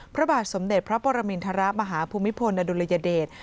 พระบาทสมเด็จพระปรมินทรมาฮภูมิพลอดุลยเดช